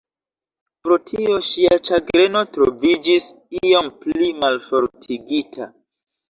Pro tio ŝia ĉagreno troviĝis iom pli malfortigita.